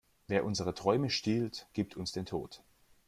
Wer unsere Träume stiehlt, gibt uns den Tod.